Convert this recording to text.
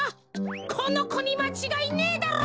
このこにまちがいねえだろう？